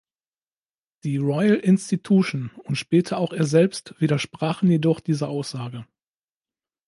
Die Royal Institution und später auch er selbst widersprachen jedoch dieser Aussage.